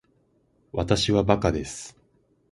わたしはバカです